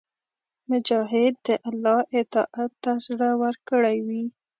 مجاهد د الله اطاعت ته زړه ورکړی وي.